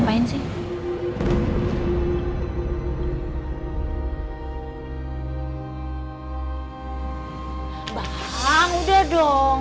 bang udah dong